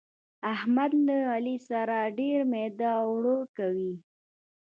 احمد له علي سره ډېر ميده اوړه کوي.